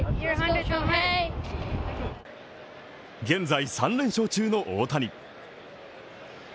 現在、３連勝中の大谷。